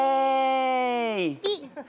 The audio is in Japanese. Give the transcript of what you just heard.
ピッ。